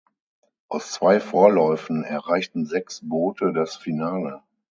Aus zwei Vorläufen erreichten sechs Boote das Finale.